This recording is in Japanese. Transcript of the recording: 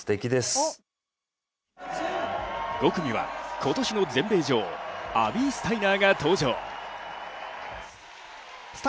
５組は今年の全米女王、アビー・スタイナーが登場。